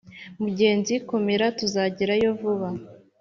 Mugenzi komera tuzagerayo vuba,